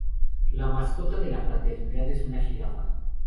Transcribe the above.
La mascota de la fraternidad es una jirafa.